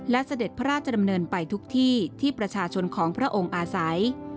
และเสด็จพระราชดำเนินไปทุกที่ที่ประชาชนของพระองค์อาศัย